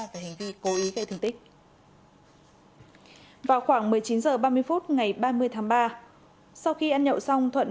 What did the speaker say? về hành vi cố ý gây thương tích vào khoảng một mươi chín h ba mươi phút ngày ba mươi tháng ba sau khi ăn nhậu xong thuận